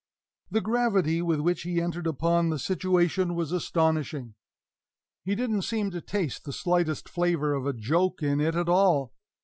The gravity with which he entered upon the situation was astonishing. He didn't seem to taste the slightest flavor of a joke in it at all.